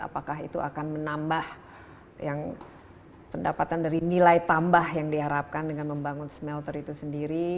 apakah itu akan menambah pendapatan dari nilai tambah yang diharapkan dengan membangun smelter itu sendiri